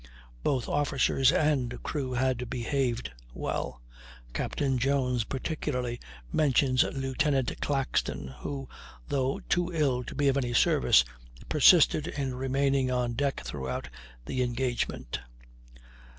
Both officers and crew had behaved well; Captain Jones particularly mentions Lieutenant Claxton, who, though too ill to be of any service, persisted in remaining on deck throughout the engagement.